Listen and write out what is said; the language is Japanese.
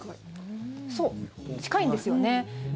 そう、近いんですよね。